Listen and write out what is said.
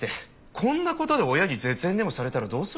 こんな事で親に絶縁でもされたらどうするんですか？